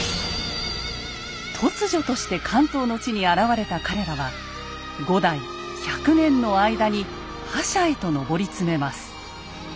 突如として関東の地に現れた彼らは５代１００年の間に覇者へと上り詰めます。